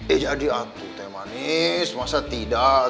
eh jadi antuk teh manis masa tidak